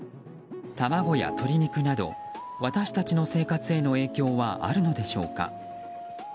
卵や鶏肉など私たちの生活への影響はあるのでしょうか。